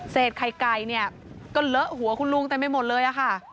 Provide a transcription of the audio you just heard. ไข่ไก่เนี่ยก็เลอะหัวคุณลุงเต็มไปหมดเลยอะค่ะ